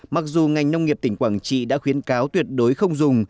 mặc dù ngành nông nghiệp tỉnh quảng trị đã khuyến cáo tuyệt đối không dùng